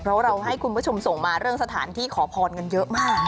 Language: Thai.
เพราะเราให้คุณผู้ชมส่งมาเรื่องสถานที่ขอพรกันเยอะมาก